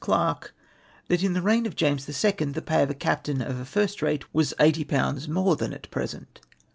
Clarke, that in the reigu of James the Second the pay of a captain of a first rate was 80/. more than at present.